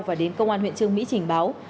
và đến công an huyện trương mỹ trình báo